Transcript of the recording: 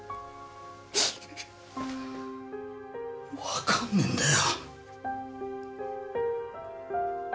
わかんねえんだよ。